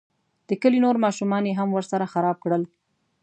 د کلي نور ماشومان یې هم ورسره خراب کړل.